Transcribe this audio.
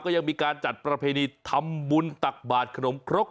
ยังมีการจัดประเพณีทำบุญตักบาทขนมครก